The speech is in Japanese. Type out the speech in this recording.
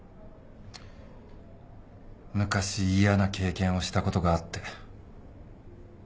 昔嫌な経験をしたことがあって。